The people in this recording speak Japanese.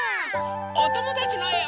おともだちのえを。